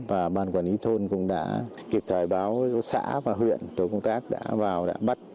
và ban quản lý thôn cũng đã kịp thời báo xã và huyện tổ công tác đã vào đã bắt